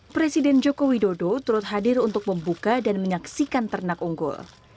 presiden joko widodo turut hadir untuk membuka dan menyaksikan ternak unggul